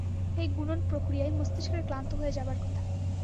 এই গুণন প্রক্রিয়ায় মস্তিষ্কের ক্লান্ত হয়ে যাবার কথা।